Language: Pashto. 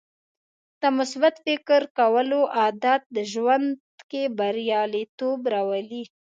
د مثبت فکر کولو عادت ژوند کې بریالیتوب راولي.